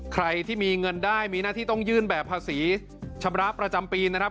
ใครที่มีเงินได้มีหน้าที่ต้องยื่นแบบภาษีชำระประจำปีนะครับ